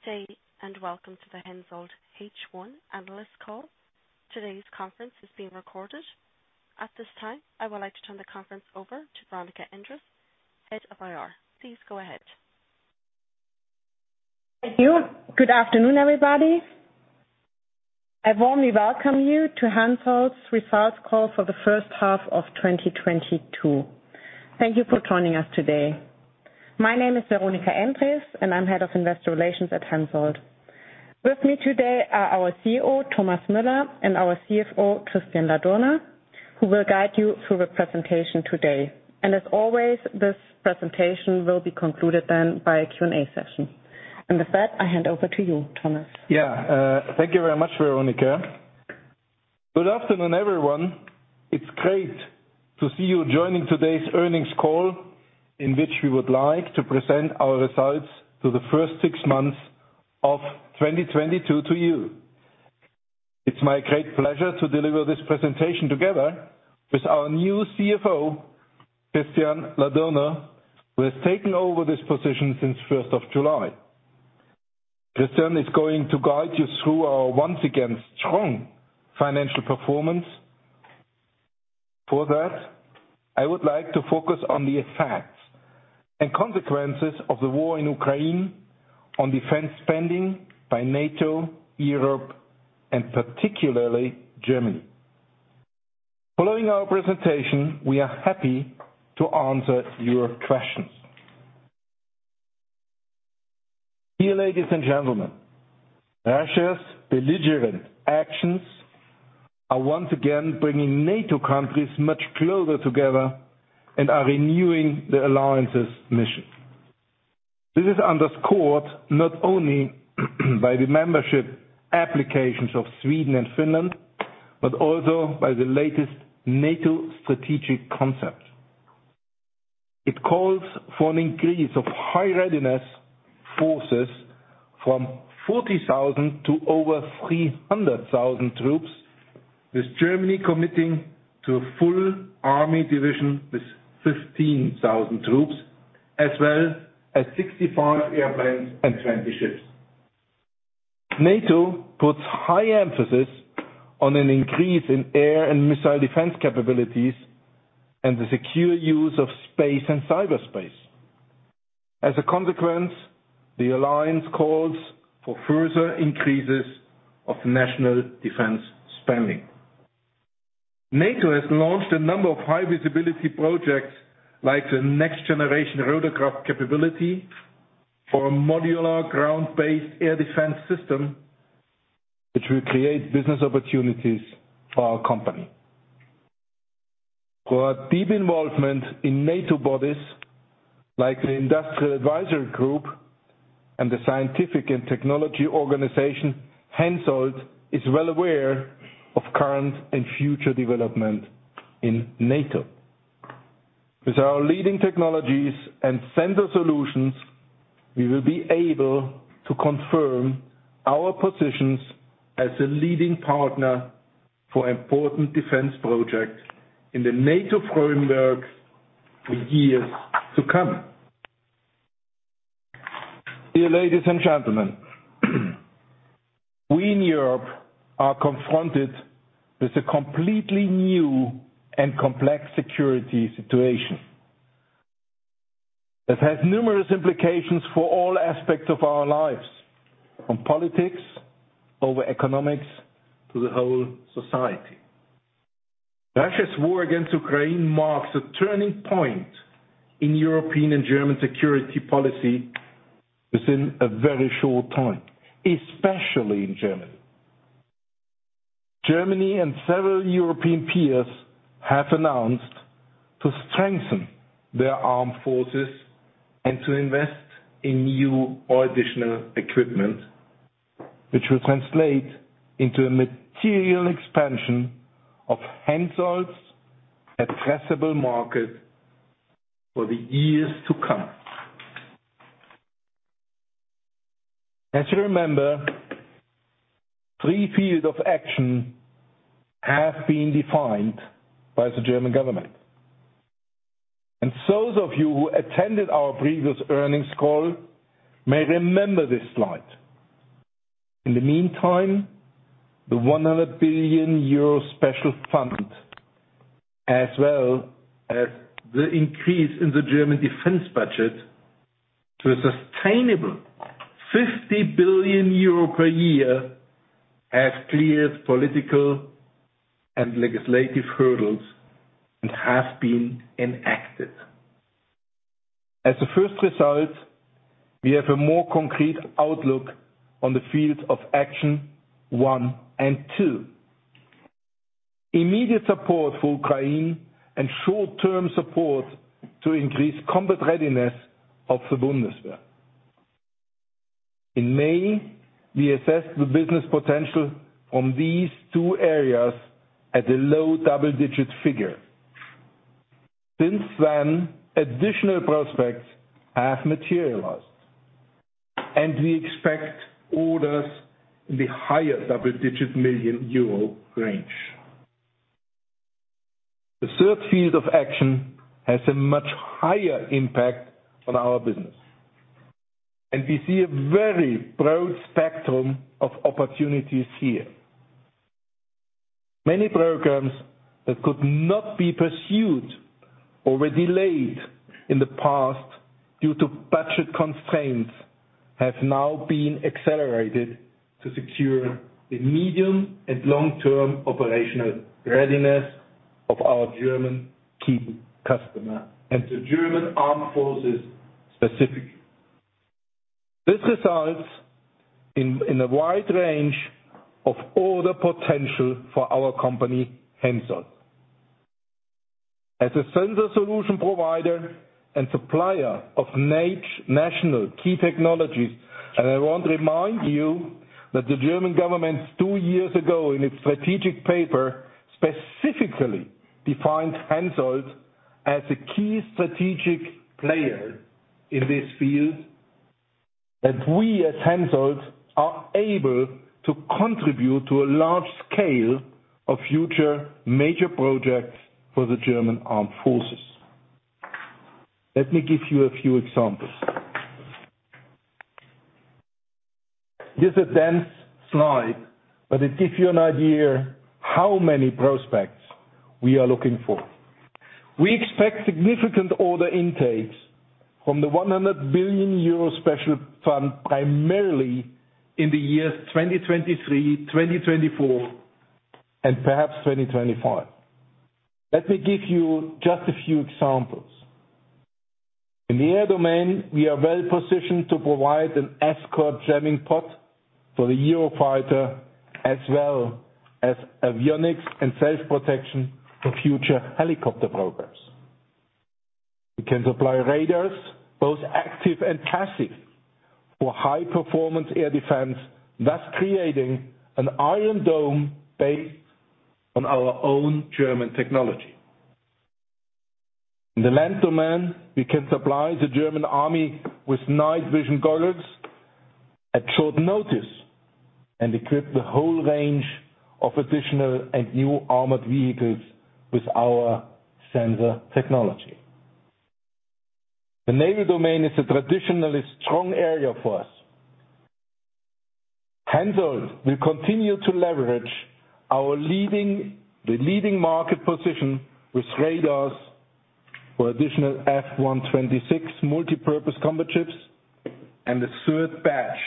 Good day, and welcome to the Hensoldt H1 analyst call. Today's conference is being recorded. At this time, I would like to turn the conference over to Veronika Endres, Head of IR. Please go ahead. Thank you. Good afternoon, everybody. I warmly welcome you to Hensoldt's results call for the first half of 2022. Thank you for joining us today. My name is Veronika Endres, and I'm head of investor relations at Hensoldt. With me today are our Chief Executive Officer, Thomas Müller, and our Chief Financial Officer, Christian Ladurner, who will guide you through the presentation today. As always, this presentation will be concluded then by a Q&A session. With that, I hand over to you, Thomas. Yeah. Thank you very much, Veronika. Good afternoon, everyone. It's great to see you joining today's earnings call, in which we would like to present our results for the first six months of 2022 to you. It's my great pleasure to deliver this presentation together with our new Chief Financial Officer, Christian Ladurner, who has taken over this position since July 1. Christian is going to guide you through our once again strong financial performance. For that, I would like to focus on the effects and consequences of the war in Ukraine on defense spending by NATO, Europe and particularly Germany. Following our presentation, we are happy to answer your questions. Dear ladies and gentlemen, Russia's belligerent actions are once again bringing NATO countries much closer together and are renewing the alliance's mission. This is underscored not only by the membership applications of Sweden and Finland, but also by the latest NATO strategic concept. It calls for an increase of high readiness forces from 40,000 to over 300,000 troops, with Germany committing to a full army division with 15,000 troops as well as 65 airplanes and 20 ships. NATO puts high emphasis on an increase in air and missile defense capabilities and the secure use of space and cyberspace. As a consequence, the alliance calls for further increases of national defense spending. NATO has launched a number of high visibility projects like the Next Generation Rotorcraft Capability for a modular ground-based air defense system, which will create business opportunities for our company. Through our deep involvement in NATO bodies like the Industrial Advisory Group and the Science and Technology Organization, Hensoldt is well aware of current and future development in NATO. With our leading technologies and sensor solutions, we will be able to confirm our positions as a leading partner for important defense projects in the NATO framework for years to come. Dear ladies and gentlemen, we in Europe are confronted with a completely new and complex security situation that has numerous implications for all aspects of our lives, from politics over economics to the whole society. Russia's war against Ukraine marks a turning point in European and German security policy within a very short time, especially in Germany. Germany and several European peers have announced to strengthen their armed forces and to invest in new or additional equipment, which will translate into a material expansion of Hensoldt's addressable market for the years to come. As you remember, three fields of action have been defined by the German government, and those of you who attended our previous earnings call may remember this slide. In the meantime, the 100 billion euro special fund, as well as the increase in the German defense budget to a sustainable 50 billion euro per year, has cleared political and legislative hurdles and has been enacted. As a first result, we have a more concrete outlook on the fields of action 1 and 2. Immediate support for Ukraine and short-term support to increase combat readiness of the Bundeswehr. In May, we assessed the business potential from these two areas at a low double-digit figure. Since then, additional prospects have materialized, and we expect orders in the higher double-digit million EUR range. The third field of action has a much higher impact on our business, and we see a very broad spectrum of opportunities here. Many programs that could not be pursued or were delayed in the past due to budget constraints have now been accelerated to secure the medium and long-term operational readiness of our German key customer and the German Armed Forces specifically. This results in a wide range of order potential for our company, Hensoldt. As a sensor solution provider and supplier of national key technologies, and I want to remind you that the German government two years ago in its strategic paper specifically defined Hensoldt as a key strategic player in this field that we as Hensoldt are able to contribute to a large scale of future major projects for the German Armed Forces. Let me give you a few examples. This is a dense slide, but it gives you an idea how many prospects we are looking for. We expect significant order intakes from the 100 billion euro special fund, primarily in the years 2023, 2024, and perhaps 2025. Let me give you just a few examples. In the air domain, we are well-positioned to provide an escort jamming pod for the Eurofighter, as well as avionics and self-protection for future helicopter programs. We can supply radars, both active and passive, for high-performance air defense, thus creating an Iron Dome based on our own German technology. In the land domain, we can supply the German Army with night vision goggles at short notice and equip the whole range of additional and new armored vehicles with our sensor technology. The naval domain is a traditionally strong area for us. Hensoldt will continue to leverage the leading market position with radars for additional F126 multipurpose combat ships and the third batch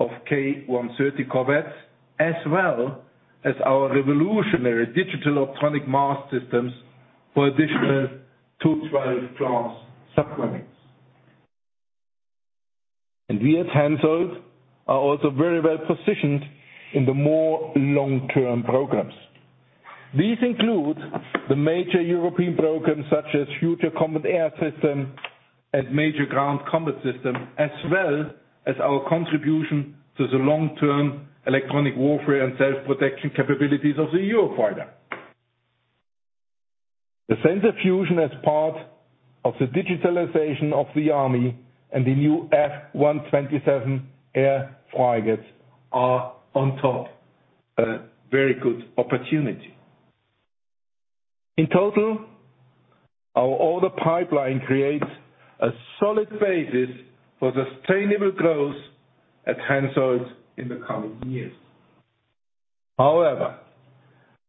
of K130 corvettes, as well as our revolutionary digital optronic mast systems for additional Type 212 class submarines. We at Hensoldt are also very well-positioned in the more long-term programs. These include the major European programs such as Future Combat Air System and Main Ground Combat System, as well as our contribution to the long-term electronic warfare and self-protection capabilities of the Eurofighter. The sensor fusion as part of the digitalization of the army and the new F127 air defense frigates are on top a very good opportunity. In total, our order pipeline creates a solid basis for sustainable growth at Hensoldt in the coming years. However,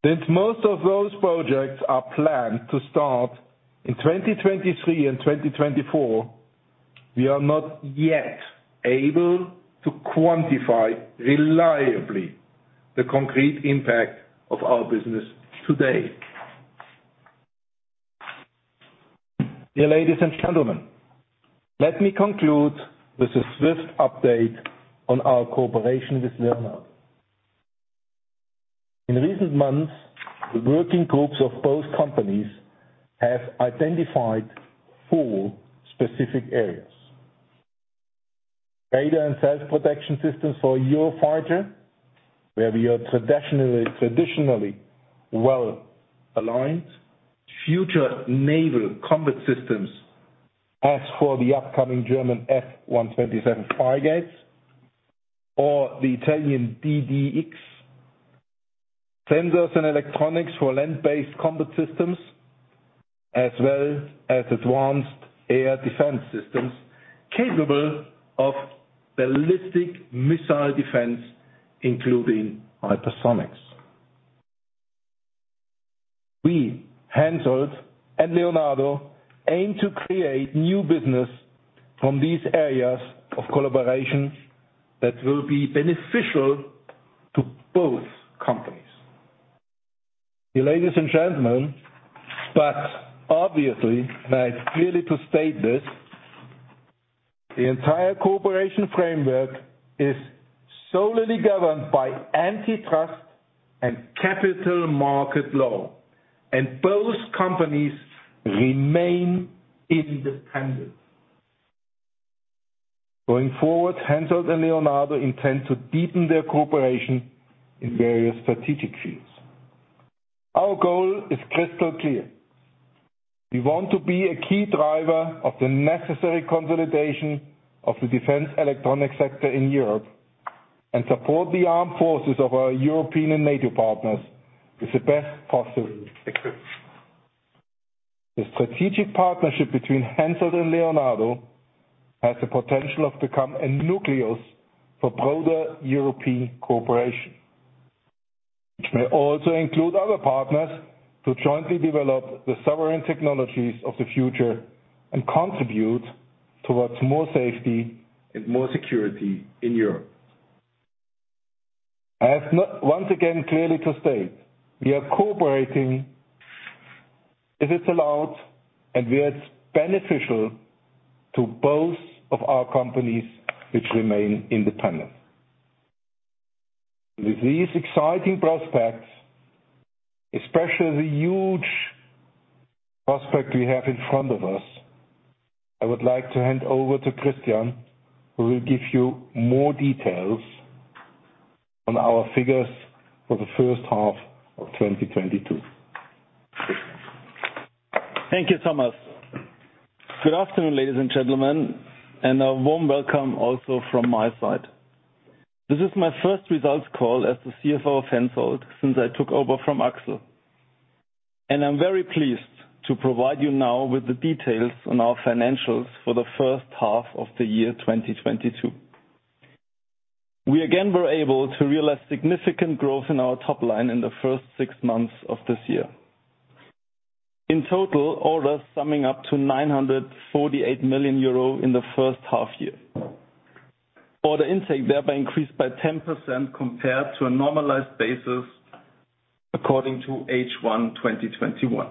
since most of those projects are planned to start in 2023 and 2024, we are not yet able to quantify reliably the concrete impact of our business today. Dear ladies and gentlemen, let me conclude with a swift update on our cooperation with Leonardo. In recent months, the working groups of both companies have identified four specific areas. Radar and self-protection systems for Eurofighter, where we are traditionally well-aligned. Future naval combat systems, as for the upcoming German F-127 frigates or the Italian DDX. Sensors and electronics for land-based combat systems, as well as advanced air defense systems capable of ballistic missile defense, including hypersonics. We, Hensoldt and Leonardo, aim to create new business from these areas of collaboration that will be beneficial to both companies. Dear ladies and gentlemen, obviously and I clearly state this, the entire cooperation framework is solely governed by antitrust and capital market law, and both companies remain independent. Going forward, Hensoldt and Leonardo intend to deepen their cooperation in various strategic fields. Our goal is crystal clear. We want to be a key driver of the necessary consolidation of the defense electronic sector in Europe and support the armed forces of our European and NATO partners with the best possible equipment. The strategic partnership between Hensoldt and Leonardo has the potential to become a nucleus for broader European cooperation, which may also include other partners to jointly develop the sovereign technologies of the future and contribute towards more safety and more security in Europe. Once again, clearly to state, we are cooperating if it's allowed, and where it's beneficial to both of our companies which remain independent. With these exciting prospects, especially the huge prospect we have in front of us, I would like to hand over to Christian, who will give you more details on our figures for the first half of 2022. Thank you, Thomas. Good afternoon, ladies and gentlemen, and a warm welcome also from my side. This is my first results call as the Chief Financial Officer of Hensoldt since I took over from Axel, and I'm very pleased to provide you now with the details on our financials for the first half of the year 2022. We again were able to realize significant growth in our top line in the first six months of this year. In total, orders summing up to 948 million euro in the first half year. Order intake thereby increased by 10% compared to a normalized basis according to H1 2021.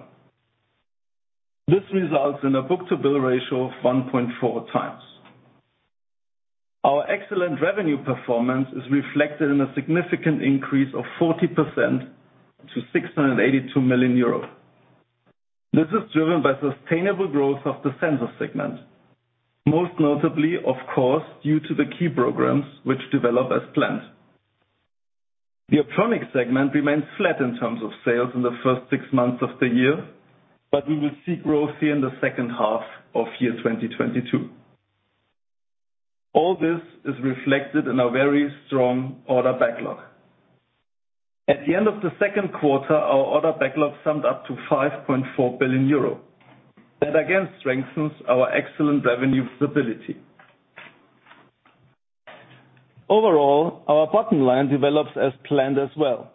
This results in a book-to-bill ratio of 1.4x. Our excellent revenue performance is reflected in a significant increase of 40% to 682 million euro. This is driven by sustainable growth of the sensor segment, most notably, of course, due to the key programs which develop as planned. The electronics segment remains flat in terms of sales in the first six months of the year, but we will see growth here in the second half of 2022. All this is reflected in our very strong order backlog. At the end of the Q2, our order backlog summed up to 5.4 billion euro. That again strengthens our excellent revenue stability. Overall, our bottom line develops as planned as well.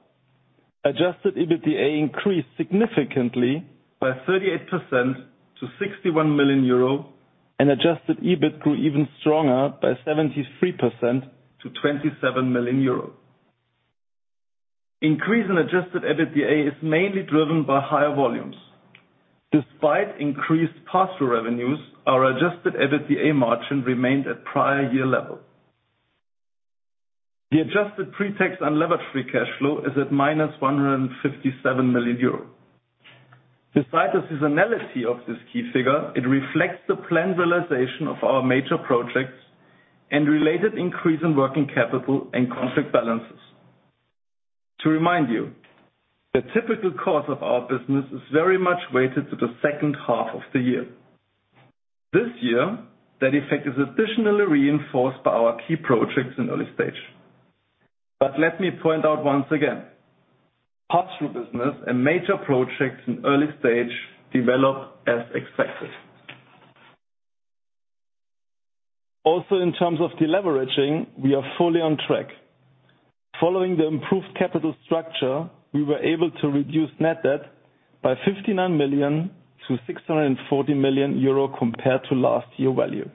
Adjusted EBITDA increased significantly by 38% to 61 million euro, and adjusted EBIT grew even stronger by 73% to 27 million euro. Increase in adjusted EBITDA is mainly driven by higher volumes. Despite increased pass-through revenues, our adjusted EBITDA margin remained at prior year level. The adjusted pre-tax unlevered free cash flow is at -157 million euros. Despite the seasonality of this key figure, it reflects the planned realization of our major projects and related increase in working capital and contract balances. To remind you, the typical course of our business is very much weighted to the second half of the year. This year, that effect is additionally reinforced by our key projects in early stage. Let me point out once again, pass-through business and major projects in early stage develop as expected. Also, in terms of deleveraging, we are fully on track. Following the improved capital structure, we were able to reduce net debt by 59 million to 640 million euro compared to last year value.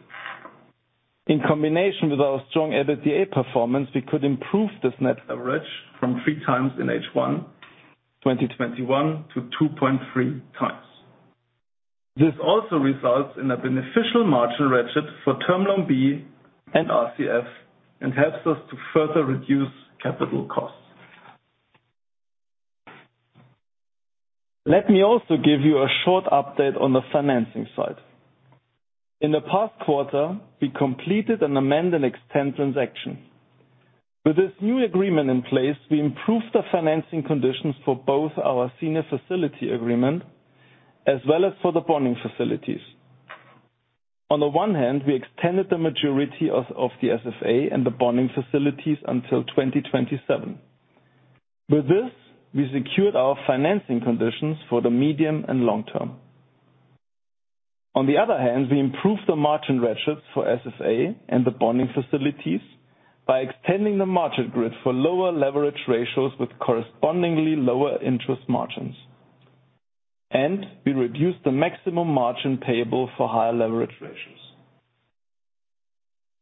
In combination with our strong EBITDA performance, we could improve this net leverage from 3x in H1 2021 to 2.3x. This also results in a beneficial margin ratchet for Term Loan B and RCF and helps us to further reduce capital costs. Let me also give you a short update on the financing side. In the past quarter, we completed an amend and extend transaction. With this new agreement in place, we improved the financing conditions for both our senior facility agreement as well as for the bonding facilities. On the one hand, we extended the maturity of the SFA and the bonding facilities until 2027. With this, we secured our financing conditions for the medium and long term. On the other hand, we improved the margin ratchets for SFA and the bonding facilities by extending the margin grid for lower leverage ratios with correspondingly lower interest margins. We reduced the maximum margin payable for higher leverage ratios.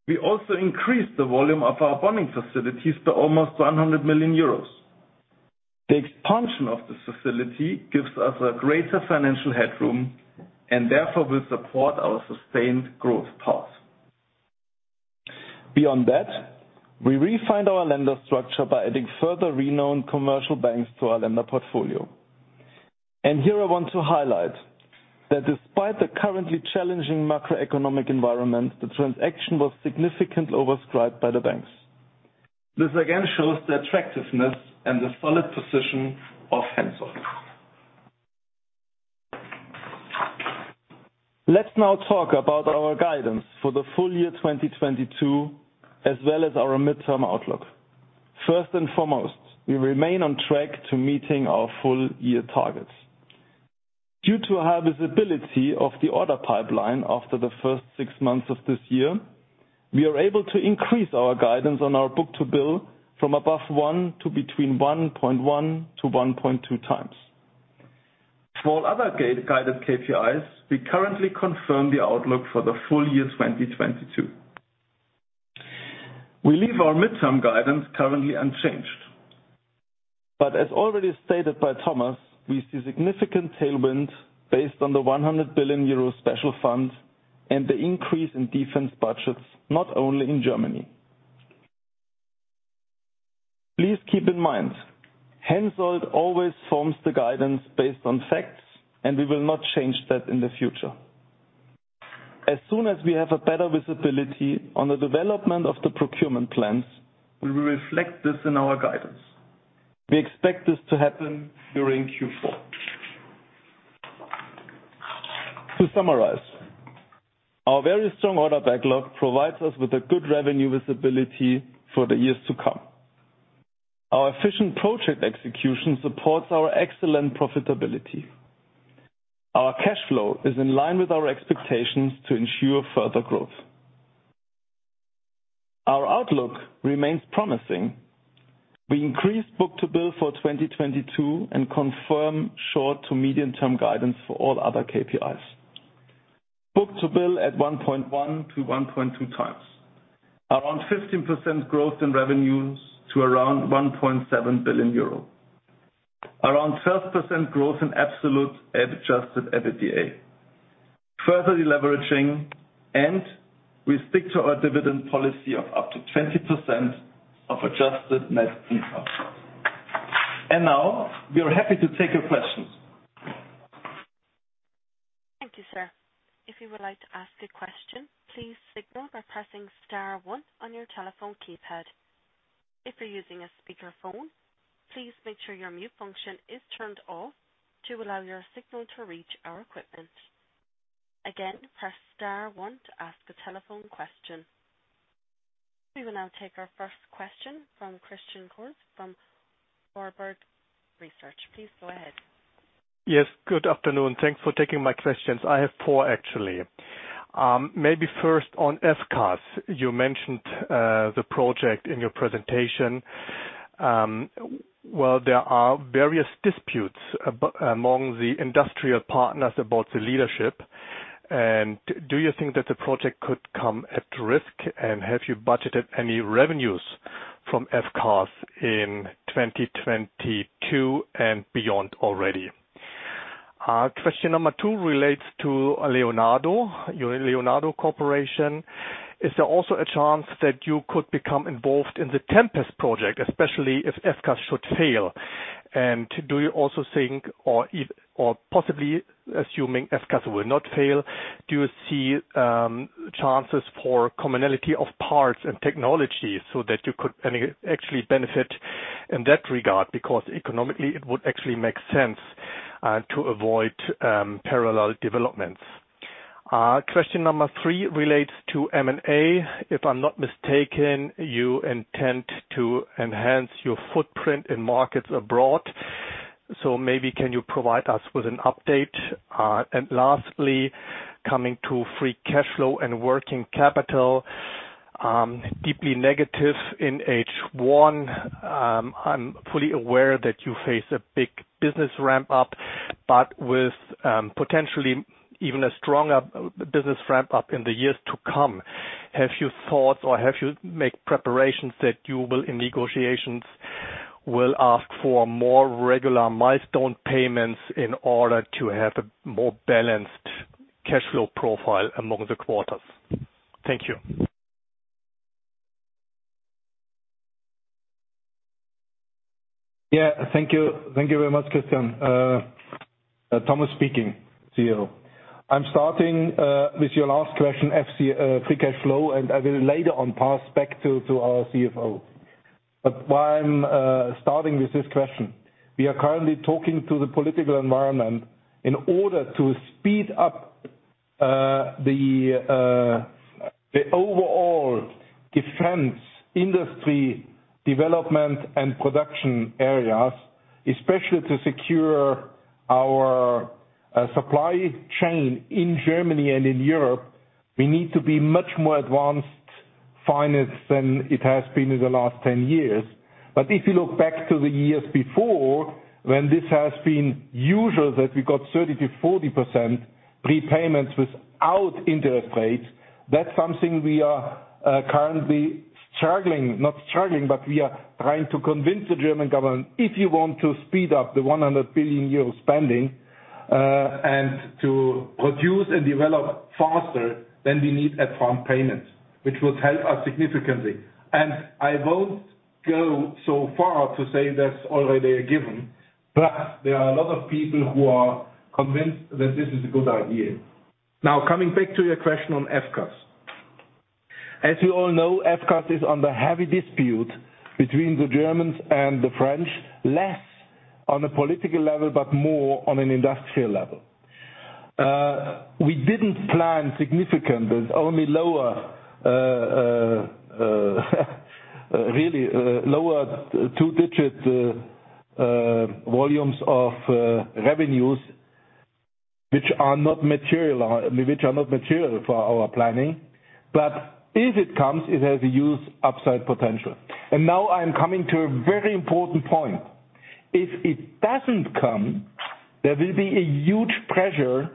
We also increased the volume of our bonding facilities by almost 100 million euros. The expansion of this facility gives us a greater financial headroom and therefore will support our sustained growth path. Beyond that, we refined our lender structure by adding further renowned commercial banks to our lender portfolio. Here I want to highlight that despite the currently challenging macroeconomic environment, the transaction was significantly oversubscribed by the banks. This again shows the attractiveness and the solid position of Hensoldt. Let's now talk about our guidance for the full year 2022, as well as our midterm outlook. First and foremost, we remain on track to meeting our full-year targets. Due to high visibility of the order pipeline after the first six months of this year, we are able to increase our guidance on our book-to-bill from above 1x to between 1.1x-1.2x. For all other guided KPIs, we currently confirm the outlook for the full year 2022. We leave our midterm guidance currently unchanged. As already stated by Thomas, we see significant tailwind based on the 100 billion euro special fund and the increase in defense budgets, not only in Germany. Please keep in mind, Hensoldt always forms the guidance based on facts, and we will not change that in the future. As soon as we have a better visibility on the development of the procurement plans, we will reflect this in our guidance. We expect this to happen during Q4. To summarize, our very strong order backlog provides us with a good revenue visibility for the years to come. Our efficient project execution supports our excellent profitability. Our cash flow is in line with our expectations to ensure further growth. Our outlook remains promising. We increased book-to-bill for 2022 and confirm short to medium term guidance for all other KPIs. Book-to-bill at 1.1x-1.2x. Around 15% growth in revenues to around 1.7 billion euro. Around 12% growth in absolute adjusted EBITDA. Further deleveraging, and we stick to our dividend policy of up to 20% of adjusted net income. Now we are happy to take your questions. Thank you, sir. If you would like to ask a question, please signal by pressing star one on your telephone keypad. If you're using a speakerphone, please make sure your mute function is turned off to allow your signal to reach our equipment. Again, press star one to ask a telephone question. We will now take our first question from Christian Cohrs from Warburg Research. Please go ahead. Yes, good afternoon. Thanks for taking my questions. I have four, actually. Maybe first on FCAS. You mentioned the project in your presentation. Well, there are various disputes among the industrial partners about the leadership. Do you think that the project could come at risk, and have you budgeted any revenues from FCAS in 2022 and beyond already? Question number two relates to Leonardo, your Leonardo Corporation. Is there also a chance that you could become involved in the Tempest project, especially if FCAS should fail? Do you also think, or possibly assuming FCAS will not fail, do you see chances for commonality of parts and technology so that you could actually benefit in that regard? Because economically it would actually make sense to avoid parallel developments. Question number three relates to M&A. If I'm not mistaken, you intend to enhance your footprint in markets abroad. Maybe can you provide us with an update? Lastly, coming to free cash flow and working capital, deeply negative in H1. I'm fully aware that you face a big business ramp up, but with potentially even a stronger business ramp up in the years to come. Have you thought or have you make preparations that you will, in negotiations, will ask for more regular milestone payments in order to have a more balanced cash flow profile among the quarters? Thank you. Yeah. Thank you. Thank you very much, Christian. Thomas Müller speaking, Chief Executive Officer. I'm starting with your last question, FCF, free cash flow, and I will later on pass back to our Chief Financial Officer. Why I'm starting with this question. We are currently talking to the political environment in order to speed up the overall defense industry development and production areas, especially to secure our supply chain in Germany and in Europe. We need to be much more advanced financing than it has been in the last 10 years. If you look back to the years before, when this has been usual that we got 30%-40% prepayments without interest rates, that's something we are currently struggling. Not struggling, but we are trying to convince the German government, if you want to speed up the 100 billion euro spending, and to produce and develop faster, then we need upfront payments, which will help us significantly. I won't go so far to say that's already a given, but there are a lot of people who are convinced that this is a good idea. Now coming back to your question on FCAS. As you all know, FCAS is under heavy dispute between the Germans and the French, less on a political level, but more on an industrial level. We didn't plan significant, but only lower really lower two-digit volumes of revenues which are not material for our planning. If it comes, it has a huge upside potential. Now I'm coming to a very important point. If it doesn't come, there will be a huge pressure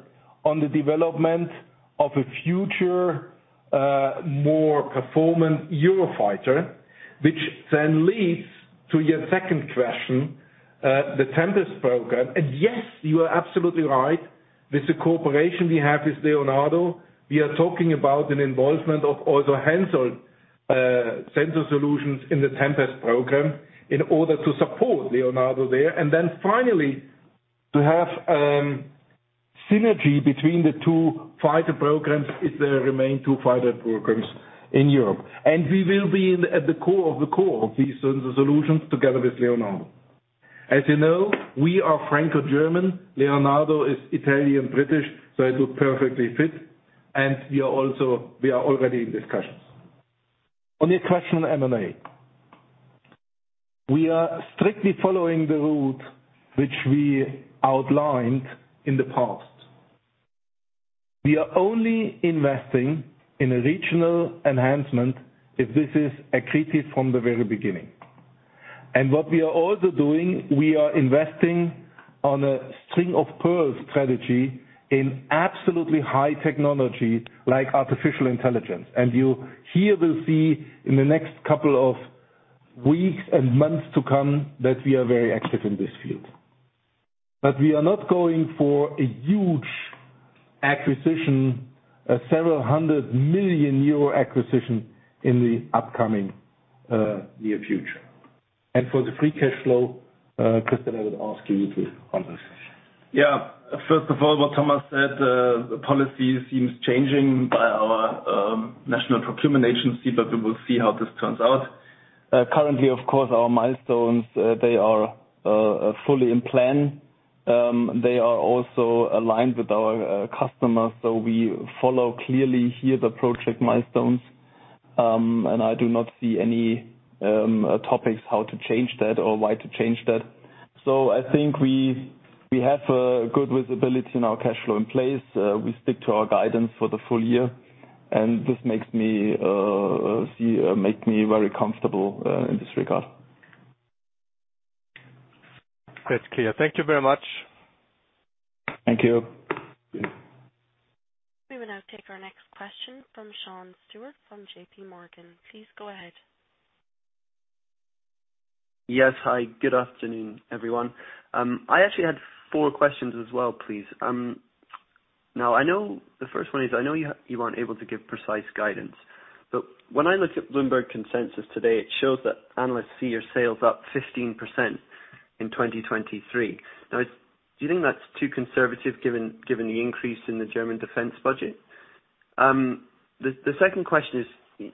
on the development of a future more performant Eurofighter, which then leads to your second question the Tempest program. Yes, you are absolutely right. With the cooperation we have with Leonardo, we are talking about an involvement of also Hensoldt sensor solutions in the Tempest program in order to support Leonardo there. Then finally, to have synergy between the two fighter programs if there remain two fighter programs in Europe. We will be at the core of the core of these sensor solutions together with Leonardo. As you know, we are Franco-German. Leonardo is Italian-British, so it will perfectly fit, and we are already in discussions. On your question on M&A. We are strictly following the route which we outlined in the past. We are only investing in a regional enhancement if this is accretive from the very beginning. What we are also doing, we are investing on a string-of-pearls strategy in absolutely high technology like artificial intelligence. You here will see in the next couple of weeks and months to come that we are very active in this field. But we are not going for a huge acquisition, a several hundred million EUR acquisition in the upcoming near future. For the free cash flow, Christian, I would ask you to answer. First of all, what Thomas said, the policy seems changing by our national procurement agency, but we will see how this turns out. Currently, of course, our milestones they are fully in plan. They are also aligned with our customers, so we follow clearly here the project milestones. I do not see any topics how to change that or why to change that. I think we have good visibility in our cash flow in place. We stick to our guidance for the full year, and this makes me very comfortable in this regard. That's clear. Thank you very much. Thank you. Thank you. We will now take our next question from Shawn Edwards from JPMorgan. Please go ahead. Yes. Hi, good afternoon, everyone. I actually had four questions as well, please. Now, I know the first one is, I know you aren't able to give precise guidance, but when I look at Bloomberg consensus today, it shows that analysts see your sales up 15% in 2023. Now, do you think that's too conservative given the increase in the German defense budget? The second question is,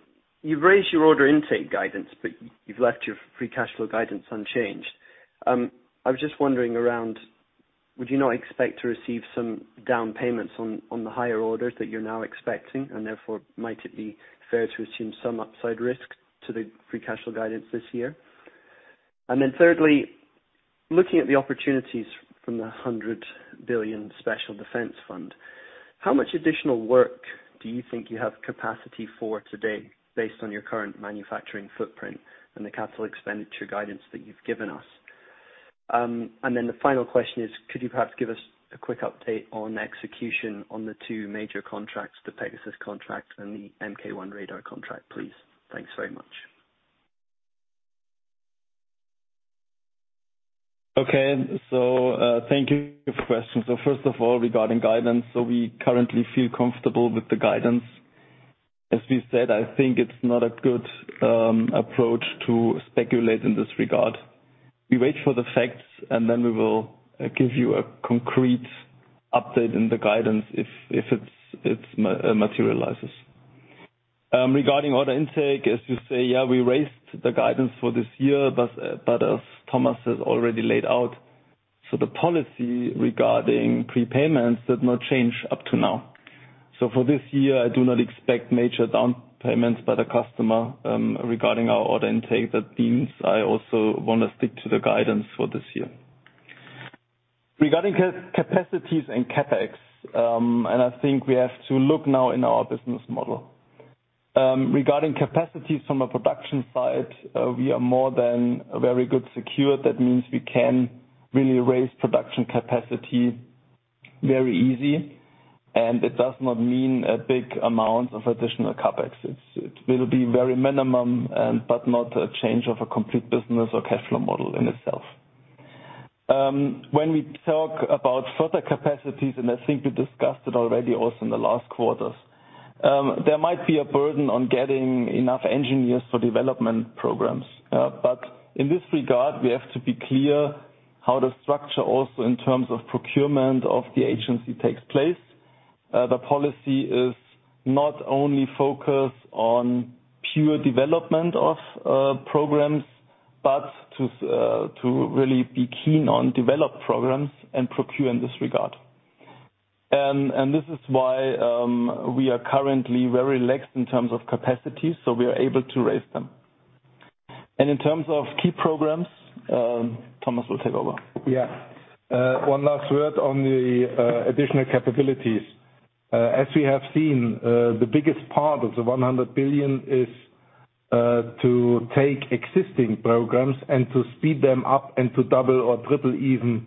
you've raised your order intake guidance, but you've left your free cash flow guidance unchanged. I was just wondering, would you not expect to receive some down payments on the higher orders that you're now expecting? And therefore, might it be fair to assume some upside risk to the free cash flow guidance this year? Thirdly, looking at the opportunities from the 100 billion special defense fund, how much additional work do you think you have capacity for today based on your current manufacturing footprint and the capital expenditure guidance that you've given us? The final question is, could you perhaps give us a quick update on execution on the two major contracts, the Pegasus contract and the MK1 radar contract, please? Thanks very much. Thank you for your question. First of all, regarding guidance. We currently feel comfortable with the guidance. As we said, I think it's not a good approach to speculate in this regard. We wait for the facts, and then we will give you a concrete update in the guidance if it materializes. Regarding order intake, as you say, yeah, we raised the guidance for this year, but as Thomas has already laid out, so the policy regarding prepayments did not change up to now. For this year, I do not expect major down payments by the customer regarding our order intake. That means I also want to stick to the guidance for this year. Regarding capacities and CapEx, and I think we have to look now in our business model. Regarding capacities from a production side, we are more than very good secured. That means we can really raise production capacity very easy, and it does not mean a big amount of additional CapEx. It will be very minimum, but not a change of a complete business or cash flow model in itself. When we talk about further capacities, and I think we discussed it already also in the last quarters. There might be a burden on getting enough engineers for development programs. In this regard, we have to be clear how the structure also in terms of procurement of the agency takes place. The policy is not only focused on pure development of programs, but to really be keen on develop programs and procure in this regard. This is why we are currently very slack in terms of capacity, so we are able to raise them. In terms of key programs, Thomas will take over. Yes. One last word on the additional capabilities. As we have seen, the biggest part of the 100 billion is to take existing programs and to speed them up and to double or triple even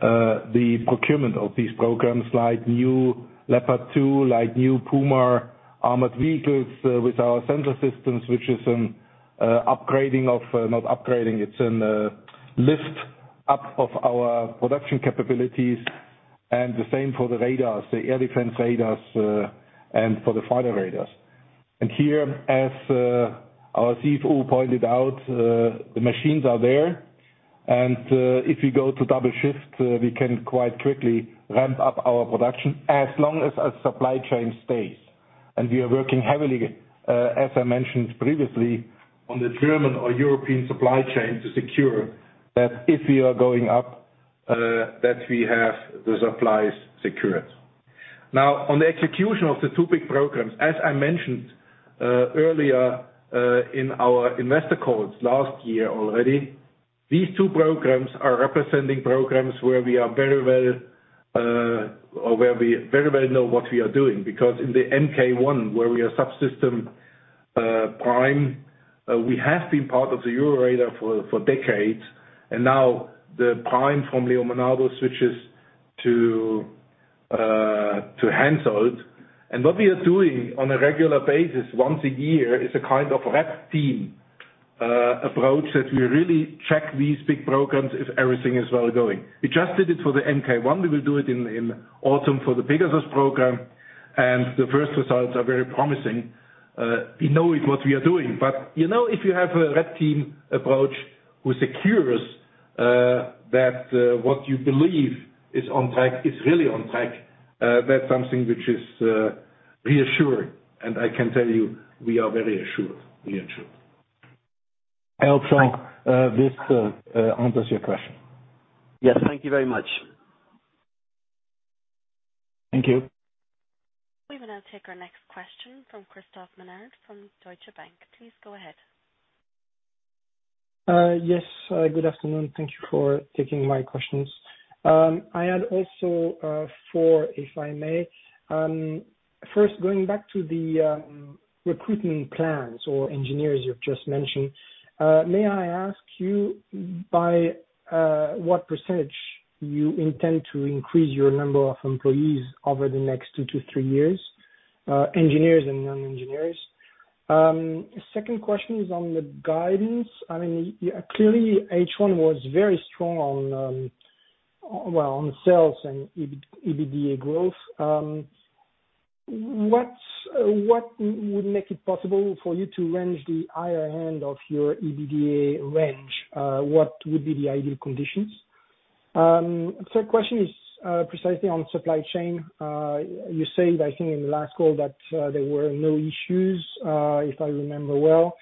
the procurement of these programs, like new Leopard 2, like new Puma armored vehicles with our sensor systems, which is not an upgrading. It's a lift-up of our production capabilities, and the same for the radars, the air defense radars, and for the fighter radars. Here, as our Chief Financial Officer pointed out, the machines are there. If we go to double shift, we can quite quickly ramp up our production as long as our supply chain stays. We are working heavily, as I mentioned previously, on the German or European supply chain to secure that if we are going up, that we have the supplies secured. Now, on the execution of the two big programs, as I mentioned earlier, in our investor calls last year already, these two programs are representing programs where we are very well, or where we very well know what we are doing. Because in the MK1, where we are subsystem prime, we have been part of the Euroradar for decades, and now the prime from Leonardo switches to Hensoldt. What we are doing on a regular basis once a year is a kind of red team approach, that we really check these big programs if everything is going well. We just did it for the MK1. We will do it in autumn for the Pegasus program, and the first results are very promising. We know it, what we are doing. You know, if you have a red team approach who secures that what you believe is on track is really on track, that's something which is reassuring. I can tell you, we are very assured, we are sure. I hope so, this answers your question. Yes. Thank you very much. Thank you. We will now take our next question from Christophe Menard from Deutsche Bank. Please go ahead. Good afternoon. Thank you for taking my questions. I had also four, if I may. First, going back to the recruiting plans for engineers you've just mentioned, may I ask you by what percentage you intend to increase your number of employees over the next two-three years, engineers and non-engineers? Second question is on the guidance. I mean, clearly H1 was very strong on, well, on sales and EBITDA growth. What would make it possible for you to reach the higher end of your EBITDA range? What would be the ideal conditions? Third question is precisely on supply chain. You said, I think in the last call, that there were no issues, if I remember well.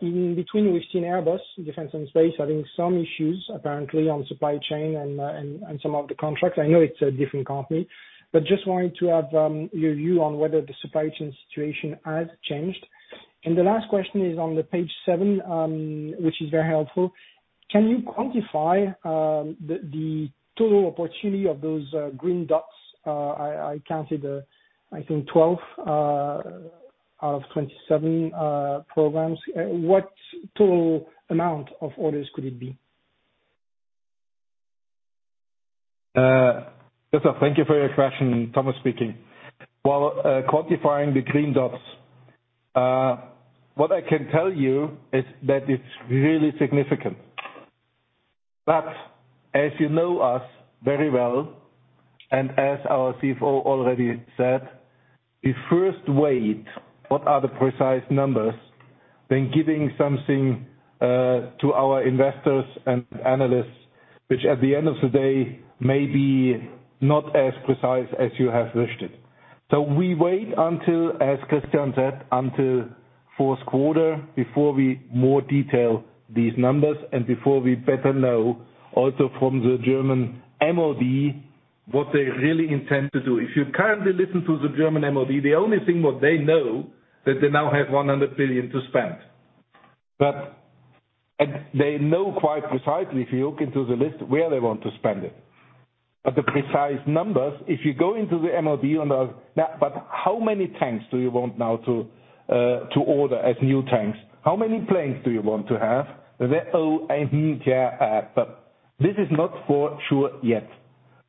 In between, we've seen Airbus Defence and Space having some issues, apparently, on supply chain and some of the contracts. I know it's a different company, but just wanted to have your view on whether the supply chain situation has changed. The last question is on page seven, which is very helpful. Can you quantify the total opportunity of those green dots? I counted, I think 12 out of 27 programs. What total amount of orders could it be? Christophe, thank you for your question. Thomas speaking. While quantifying the green dots, what I can tell you is that it's really significant. As you know us very well, and as our Chief Financial Officer already said, we first wait what are the precise numbers, then giving something to our investors and analysts, which at the end of the day may be not as precise as you have wished it. We wait until, as Christian said, until Q4 before we more detail these numbers and before we better know also from the German MoD, what they really intend to do. If you currently listen to the German MoD, the only thing what they know, that they now have 100 billion to spend. They know quite precisely, if you look into the list, where they want to spend it. The precise numbers, if you go into the MoD, how many tanks do you want now to order as new tanks? How many planes do you want to have? They go, "Oh, but this is not for sure yet."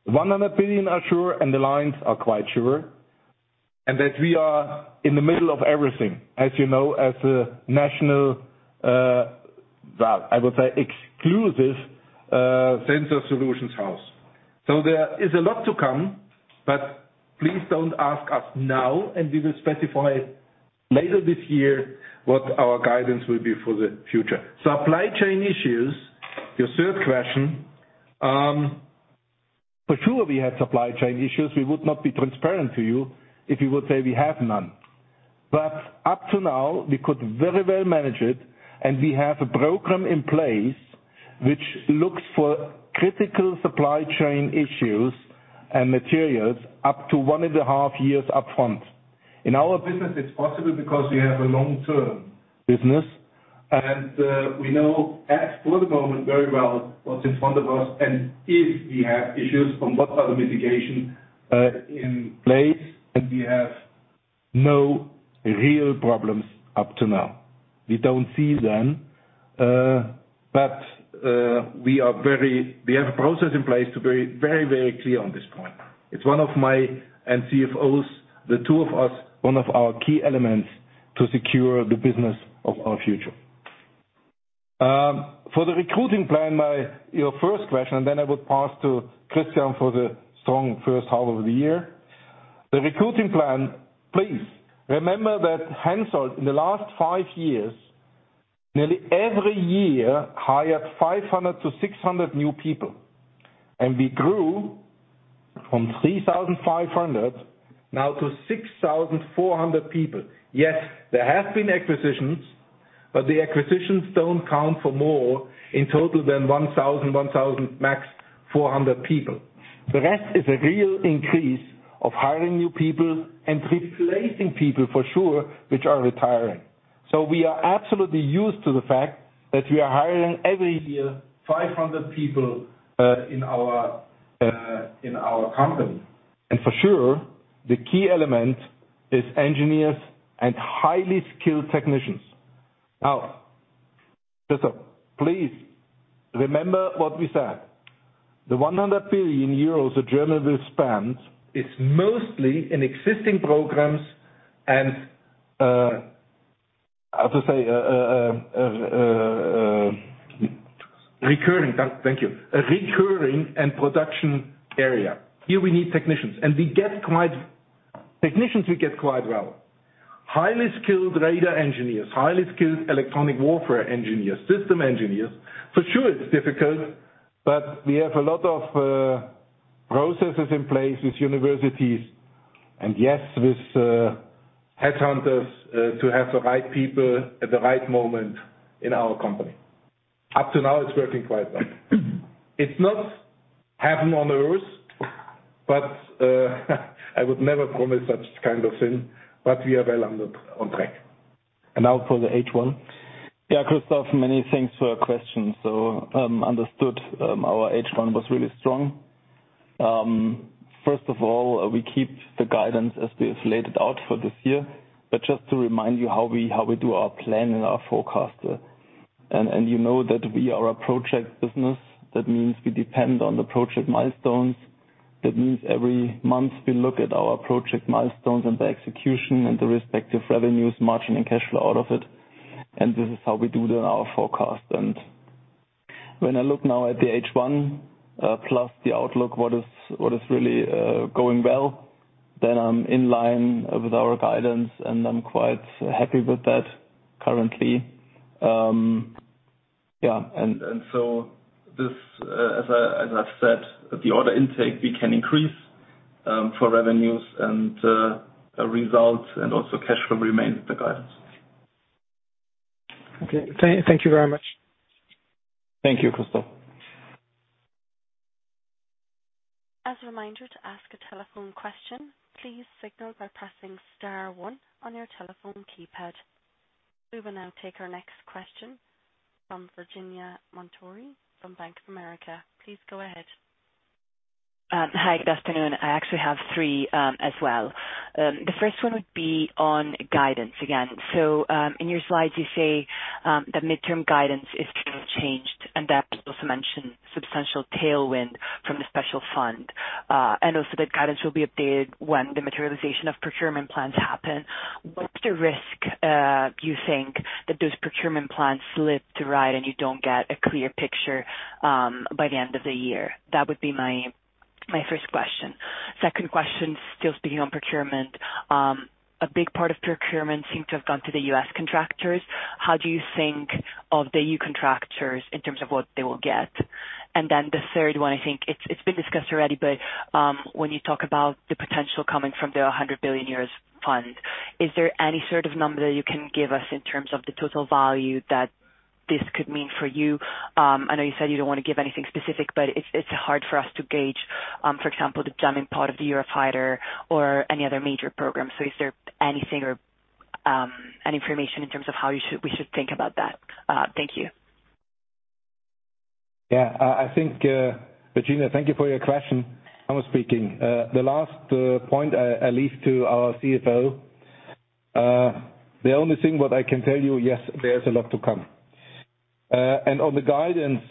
100 billion are sure, and the lines are quite sure. That we are in the middle of everything, as you know, as a national well, I would say exclusive sensor solutions house. There is a lot to come, but please don't ask us now, and we will specify later this year what our guidance will be for the future. Supply chain issues, your third question. For sure, we have supply chain issues. We would not be transparent to you if we would say we have none. Up to now, we could very well manage it. We have a program in place which looks for critical supply chain issues and materials up to one and a half years up front. In our business, it's possible because we have a long-term business, and we know for the moment very well what's in front of us, and if we have issues, what are the mitigations in place, and we have no real problems up to now. We don't see them, but we have a process in place to be very clear on this point. It's one of my and Chief Financial Officer's, the two of us, one of our key elements to secure the business of our future. For the recruiting plan, your first question, then I would pass to Christian for the strong first half of the year. The recruiting plan, please remember that Hensoldt in the last five years, nearly every year hired 500 to 600 new people, and we grew from 3,500 now to 6,400 people. Yes, there have been acquisitions, but the acquisitions don't count for more in total than 1,000, max 400 people. The rest is a real increase of hiring new people and replacing people for sure, which are retiring. We are absolutely used to the fact that we are hiring every year 500 people in our company. For sure, the key element is engineers and highly skilled technicians. Now, just please remember what we said. The 100 billion euros the German will spend is mostly in existing programs and recurring. Thank you. A recurring and production area. Here we need technicians, and we get technicians quite well. Highly skilled radar engineers, highly skilled electronic warfare engineers, system engineers. For sure it's difficult, but we have a lot of processes in place with universities and yes, with headhunters to have the right people at the right moment in our company. Up to now, it's working quite well. It's not happening on the loose, but I would never promise such kind of thing. We are well on track. Now for the H1. Yeah, Christoph, many thanks for your question. Understood, our H1 was really strong. First of all, we keep the guidance as we have laid it out for this year. Just to remind you how we do our plan and our forecast. You know that we are a project business. That means we depend on the project milestones. That means every month we look at our project milestones and the execution and the respective revenues, margin and cash flow out of it. This is how we do our forecast. When I look now at the H1, plus the outlook, what is really going well, then I'm in line with our guidance, and I'm quite happy with that currently. This, as I said, the order intake we can increase for revenues and results and also cash flow remains the guidance. Okay. Thank you very much. Thank you, Christophe. As a reminder to ask a telephone question, please signal by pressing star one on your telephone keypad. We will now take our next question from Virginia Montori from Bank of America. Please go ahead. Hi, good afternoon. I actually have three as well. The first one would be on guidance again. In your slides you say that midterm guidance is kind of changed and that you also mentioned substantial tailwind from the special fund and also that guidance will be updated when the materialization of procurement plans happen. What's the risk you think that those procurement plans slip to right and you don't get a clear picture by the end of the year? That would be my first question. Second question, still speaking on procurement. A big part of procurement seemed to have gone to the U.S. contractors. How do you think of the E.U. contractors in terms of what they will get? Then the third one, I think it's been discussed already, but when you talk about the potential coming from the 100 billion euros fund, is there any sort of number that you can give us in terms of the total value that this could mean for you? I know you said you don't want to give anything specific, but it's hard for us to gauge, for example, the jamming part of the Eurofighter or any other major program. Is there anything or any information in terms of how we should think about that? Thank you. Yeah. I think, Virginia, thank you for your question. I was speaking. The last point I leave to our Chief Financial Officer. The only thing what I can tell you, yes, there's a lot to come. And on the guidance,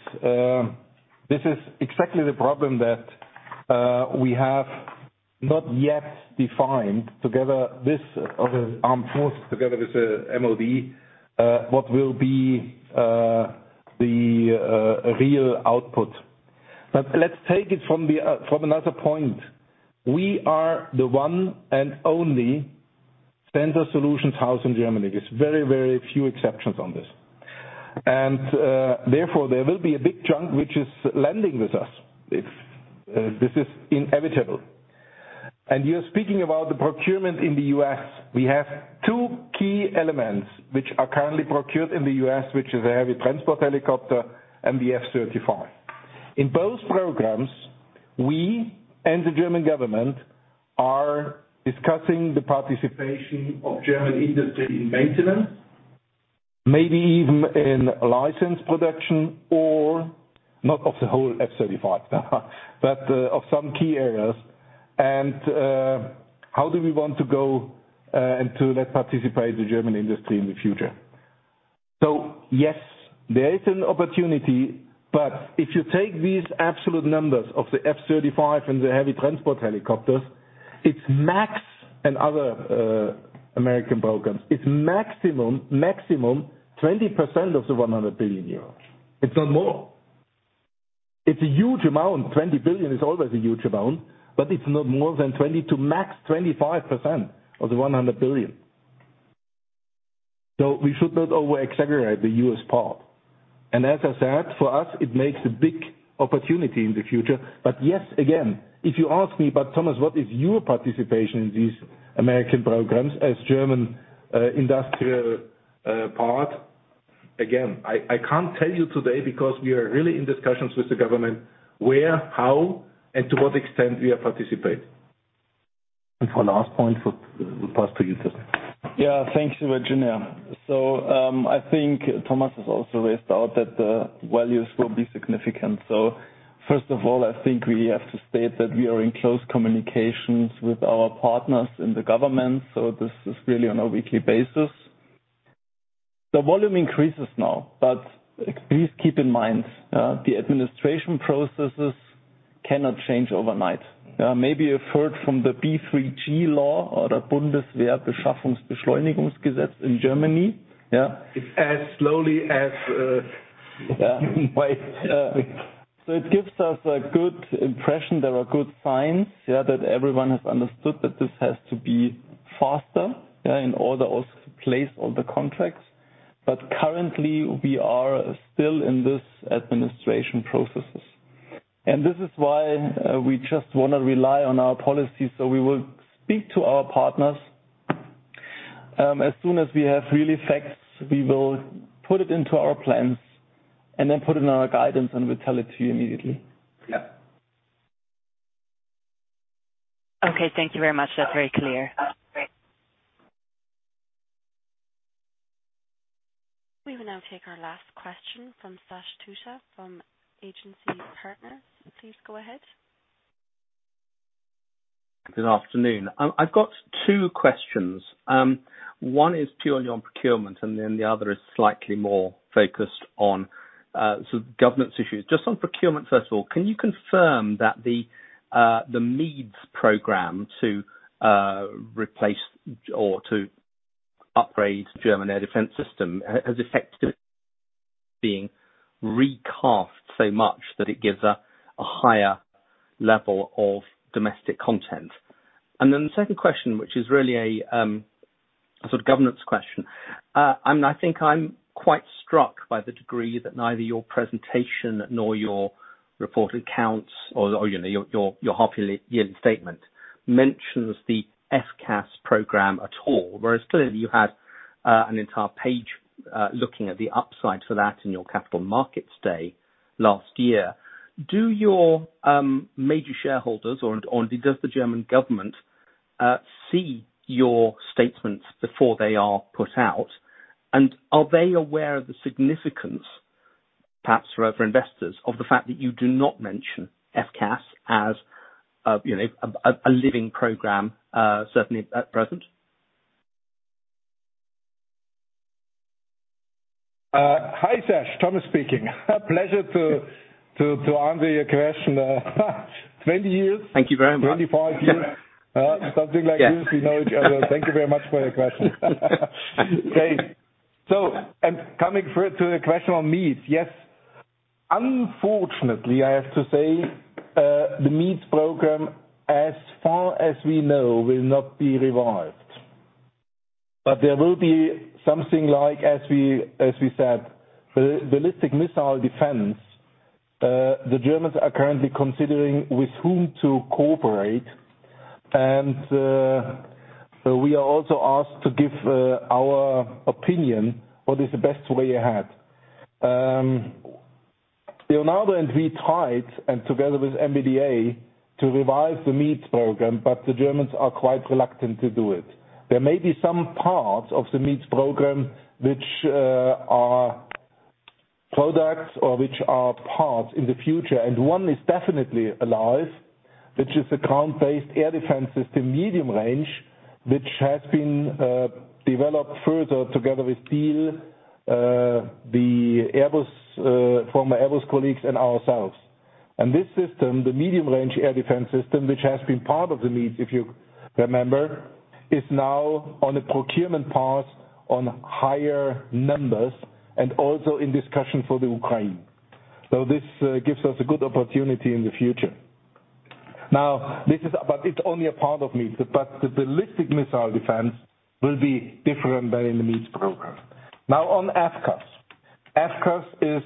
this is exactly the problem that we have not yet defined together this other armed force, together with MoD, what will be the real output. Let's take it from another point. We are the one and only sensor solutions house in Germany. There's very few exceptions on this. And therefore, there will be a big chunk which is landing with us. This is inevitable. You're speaking about the procurement in the U.S. We have two key elements which are currently procured in the US, which is a heavy transport helicopter and the F-35. In both programs, we and the German government are discussing the participation of German industry in maintenance, maybe even in license production or not of the whole F-35. Of some key areas. How do we want to go, and to let participate the German industry in the future. Yes, there is an opportunity, but if you take these absolute numbers of the F-35 and the heavy transport helicopters, it's max and other American programs. It's maximum 20% of the 100 billion euro. It's not more. It's a huge amount. 20 billion is always a huge amount, but it's not more than 20% to max 25% of the 100 billion. We should not over-exaggerate the US part. As I said, for us, it makes a big opportunity in the future. Yes, again, if you ask me, "But Thomas, what is your participation in these American programs as German industrial part?" Again, I can't tell you today because we are really in discussions with the government where, how, and to what extent we are participating. For last point, we'll pass to you, Christian Ladurner. Yeah. Thank you, Virginia. I think Thomas has also pointed out that the volumes will be significant. First of all, I think we have to state that we are in close communications with our partners in the government, so this is really on a weekly basis. The volume increases now, but please keep in mind, the administration processes cannot change overnight. Maybe you've heard of the B3G law or the German in Germany. It's as slowly as, uh- Yeah. It gives us a good impression. There are good signs, yeah, that everyone has understood that this has to be faster, yeah, in order also to place all the contracts. Currently, we are still in this administrative processes. This is why, we just wanna rely on our policy, so we will speak to our partners. As soon as we have real facts, we will put it into our plans and then put it in our guidance, and we'll tell it to you immediately. Yeah. Okay. Thank you very much. That's very clear. We will now take our last question from Sash Tusa from Agency Partners. Please go ahead. Good afternoon. I've got two questions. One is purely on procurement, and then the other is slightly more focused on sort of governance issues. Just on procurement, first of all, can you confirm that the MEADS program to replace or to upgrade German air defense system has effectively been recast so much that it gives a higher level of domestic content? And then the second question, which is really a sort of governance question, and I think I'm quite struck by the degree that neither your presentation nor your reported accounts or you know your half-yearly statement mentions the FCAS program at all, whereas clearly you had an entire page looking at the upside for that in your capital markets day last year. Do your major shareholders or does the German government see your statements before they are put out? Are they aware of the significance, perhaps for investors, of the fact that you do not mention FCAS as, you know, a living program, certainly at present? Hi, Sash. Thomas speaking. Pleasure to answer your question. 20 years. Thank you very much. 25 years. Something like this. Yeah. We know each other. Thank you very much for your question. Coming to the question on MEADS. Yes. Unfortunately, I have to say, the MEADS program, as far as we know, will not be revived. There will be something like, as we said, ballistic missile defense. The Germans are currently considering with whom to cooperate. We are also asked to give our opinion what is the best way ahead. Leonardo and we tried, and together with MBDA, to revive the MEADS program, but the Germans are quite reluctant to do it. There may be some parts of the MEADS program which are products or which are parts in the future, and one is definitely alive, which is the ground-based air defense system medium range. Which has been developed further together with Diehl, the Airbus, from Airbus colleagues and ourselves. This system, the medium-range air defense system, which has been part of the MEADS, if you remember, is now on a procurement path on higher numbers and also in discussion for the Ukraine. This gives us a good opportunity in the future. Now, it's only a part of MEADS, but the ballistic missile defense will be different than in the MEADS program. Now on FCAS. FCAS is,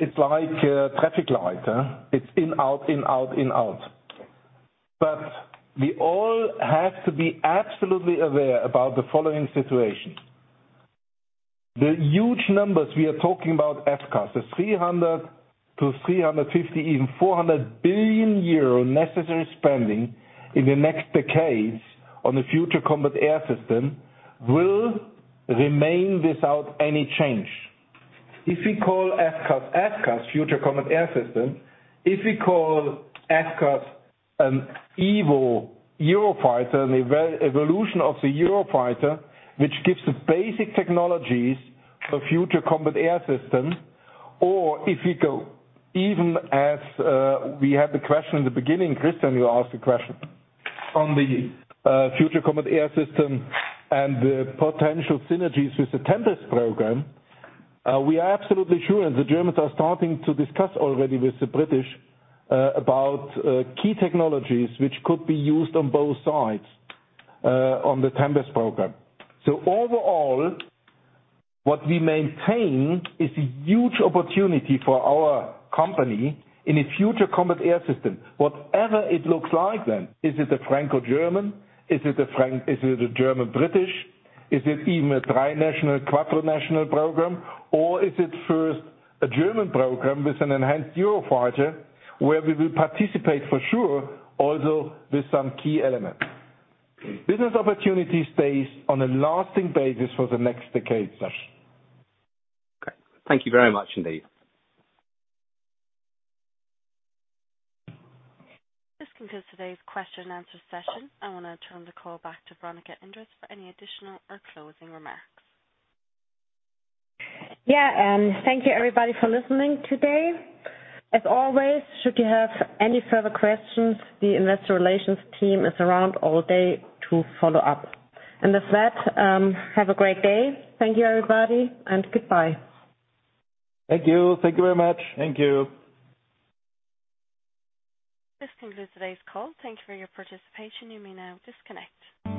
it's like a traffic light, huh? It's in, out, in, out, in, out. We all have to be absolutely aware about the following situation. The huge numbers we are talking about FCAS, the 300 billion-350 billion, even 400 billion euro necessary spending in the next decades on the Future Combat Air System, will remain without any change. If we call FCAS Future Combat Air System, if we call FCAS an EVO Eurofighter, an evolution of the Eurofighter, which gives the basic technologies for Future Combat Air System, or if we go even as, we had the question in the beginning, Christian, you asked the question on the future combat air system and the potential synergies with the Tempest program. We are absolutely sure, and the Germans are starting to discuss already with the British about key technologies which could be used on both sides on the Tempest program. Overall, what we maintain is a huge opportunity for our company in a Future Combat Air System, whatever it looks like then. Is it a Franco-German? Is it a German-British? Is it even a tri-national, quadri-national program, or is it first a German program with an enhanced Eurofighter, where we will participate for sure, also with some key elements. Business opportunities based on a lasting basis for the next decade, Sash. Okay. Thank you very much indeed. This concludes today's Q&A session. I want to turn the call back to Veronika Endres for any additional or closing remarks. Yeah. Thank you everybody for listening today. As always, should you have any further questions, the investor relations team is around all day to follow up. With that, have a great day. Thank you, everybody, and goodbye. Thank you. Thank you very much. Thank you. This concludes today's call. Thank you for your participation. You may now disconnect.